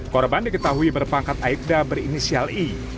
korban diketahui berpangkat aibda berinisial i